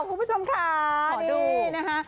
คุณผู้ชมค่ะนี่นะคะ